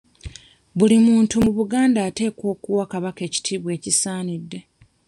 Buli muntu mu Buganda ateekwa okuwa Kabaka ekitiibwa ekisaanidde.